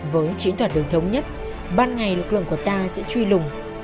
với chiến đoạn đường thống nhất ban ngày lực lượng của ta sẽ truy lùng